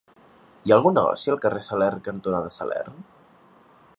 Hi ha algun negoci al carrer Salern cantonada Salern?